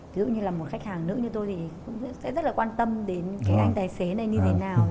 ví dụ như là một khách hàng nữ như tôi thì cũng sẽ rất là quan tâm đến cái anh tài xế này như thế nào